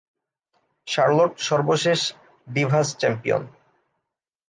Charlotte সর্বশেষ Divas champion.